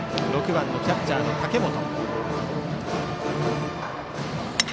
６番キャッチャーの竹本。